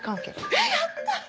えっやった！